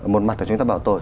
một mặt là chúng ta bảo tồn